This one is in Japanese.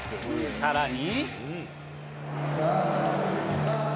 さらに。